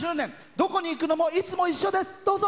どこに行くのも、いつも一緒です。